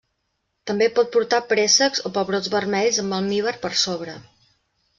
També pot portar préssecs o pebrots vermells amb almívar per sobre.